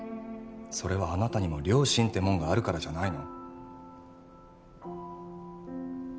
それはあなたにも良心ってもんがあるからじゃないの？